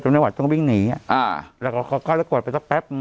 จนไม่ไหวต้องวิ่งหนีอ่าแล้วเขาก็กลัวไปสักแป๊บ